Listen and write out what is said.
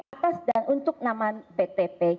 atas dan untuk nama btp